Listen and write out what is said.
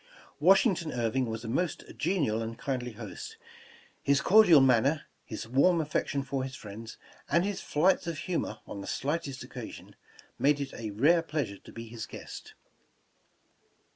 Washington Irving was a most genial and kindly host. His cordial manner, his warm affection for his friends, and his flights of humor on the slightest occa sion, made it a rare pleasure to be his guest.